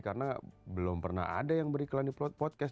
karena belum pernah ada yang beriklan di podcast